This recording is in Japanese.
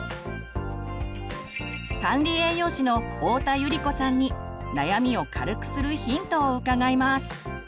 管理栄養士の太田百合子さんに悩みを軽くするヒントを伺います。